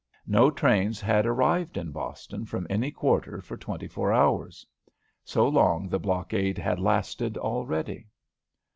No trains had arrived in Boston from any quarter for twenty four hours. So long the blockade had lasted already.